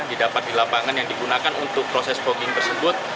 didapat di lapangan yang digunakan untuk proses fogging tersebut